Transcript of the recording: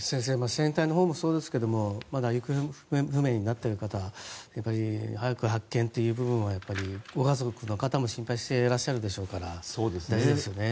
船体のほうもそうですがまだ行方不明になっている方早く発見という部分はご家族の方も心配していらっしゃるでしょうから大事ですよね。